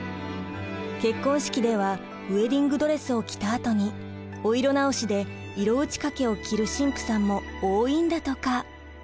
結婚式ではウエディングドレスを着たあとにお色直しで色打ち掛けを着る新婦さんも多いんだとか。